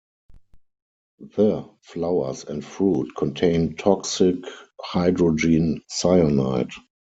The flowers and fruit contain toxic hydrogen cyanide.